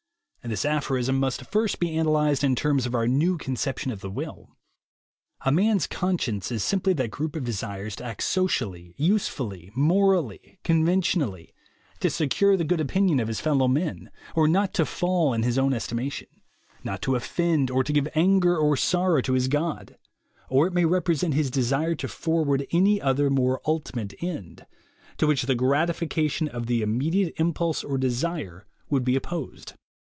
This aphorism must first be analyzed in terms of our new conception of the will. A man's "con science" is simply that group of desires to act socially, usefully, morally, conventionally, to secure the good opinion of his fellow men, or not to fall in his own estimation, not to offend or to give anger or sorrow to his God, or it may represent his desire to forward any other more ultimate end, to which the gratification of the immediate impulse or desire would be opposed.